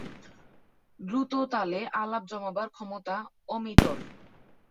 দ্রুততালে আলাপ জমাবার ক্ষমতা অমিতর।